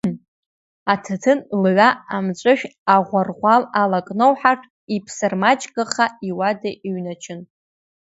Аҭаҭын лҩа, амҵәышә аӷәарӷәал алакноуҳартә, иԥсырмаҷгаха иуада иҩначын.